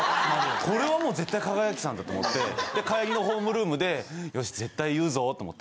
これはもう絶対輝きさんだと思って帰りのホームルームでよし絶対言うぞ！と思って。